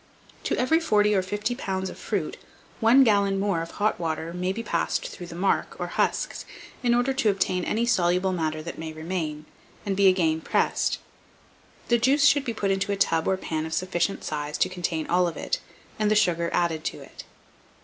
To every 40 or 50 lbs. of fruit one gallon more of hot water may be passed through the marc, or husks, in order to obtain any soluble matter that may remain, and be again pressed. The juice should be put into a tub or pan of sufficient size to contain all of it, and the sugar added to it.